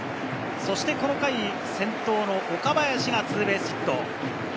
そしてこの回、先頭の岡林がツーベースヒット。